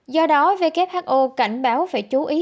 do đó who cảnh báo phải chú ý